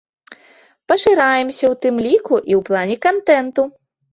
Пашыраемся ў тым ліку і ў плане кантэнту.